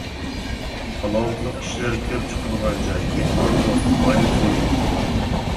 تالانتلىق كىشىلەر كۆپ چىقىدىغان جاي، مېھماندوست، بايلىقى مول.